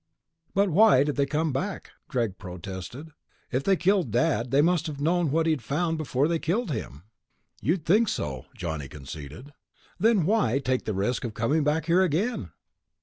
"But why did they come back?" Greg protested. "If they killed Dad, they must have known what he'd found before they killed him." "You'd think so," Johnny conceded. "Then why take the risk of coming back here again?"